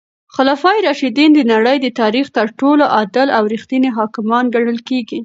خلفای راشدین د نړۍ د تاریخ تر ټولو عادل او رښتیني حاکمان ګڼل کیږي.